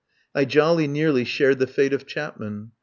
I jolly nearly shared the fate of Chapman.